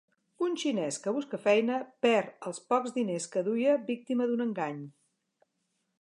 Un xinès que busca feina perd els pocs diners que duia víctima d'un engany.